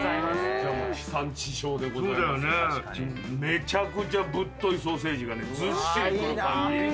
めちゃくちゃぶっといソーセージがずっしり。